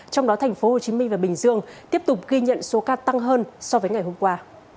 trong đó tp hcm và bình dương tiếp tục ghi nhận số ca tăng hơn so với ngày hôm qua